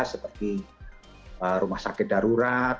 seperti rumah sakit darurat